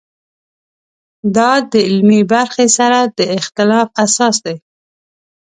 دا د علمي برخې سره د اختلاف اساس دی.